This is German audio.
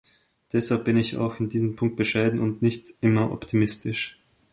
Deshalb bin ich auch in diesem Punkt bescheiden und nicht immer optimistisch.